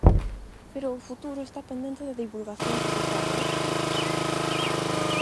Pero o futuro está pendente da divulgación que se faga hoxe no presente.